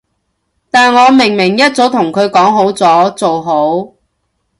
但我明明一早同佢講好咗，做好